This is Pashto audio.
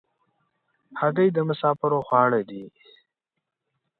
هګۍ د مسافرو خواړه دي.